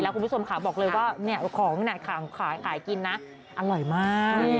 แล้วคุณผู้ชมขาบอกเลยว่าของขายกิ้นอร่อยมาก